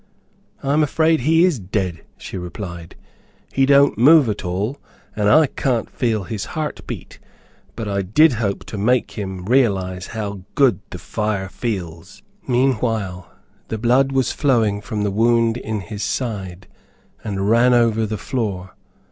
"I'm afraid he is dead," she replied, he don't move at all, and I can't feel his heart beat; but I did hope to make him realize how good the fire feels." Meanwhile, the blood was flowing from the wound in his side, and ran over the floor.